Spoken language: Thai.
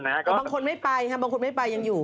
บางคนไม่ไปบางคนไม่ไปยังอยู่